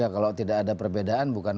kalau tidak ada perbedaan